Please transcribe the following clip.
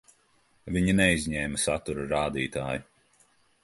Viņi neizņēma satura rādītāju.